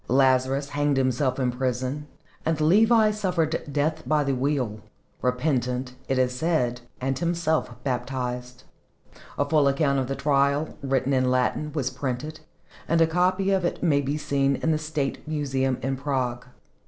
Lazarus hanged himself in prison, and Levi suffered death by the wheel repentant, it is said, and himself baptized. A full account of the trial, written in Latin, was printed, and a copy of it may be seen in the State Museum in Prague.